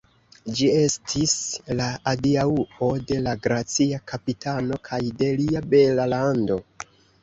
Ĝi estis la adiaŭo de la gracia kapitano kaj de lia bela lando.